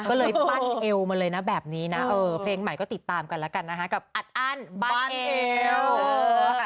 ก็เลยปั้นเอวมาเลยนะแบบนี้นะเออเพลงใหม่ก็ติดตามกันแล้วกันนะคะกับอัดอั้นบ้านเอว